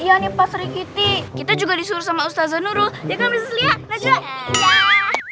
iya nih pasri kitty kita juga disuruh sama ustazah nurul ya kan mrs lia